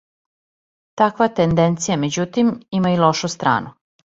Таква тенденција, међутим, има и лошу страну.